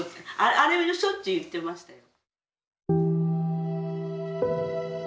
あれをしょっちゅう言ってましたよ。